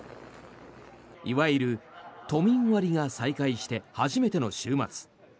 いわゆる都民割が再開して初めての週末。